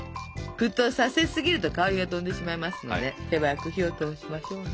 沸騰させすぎると香りが飛んでしまいますので手早く火を通しましょうな。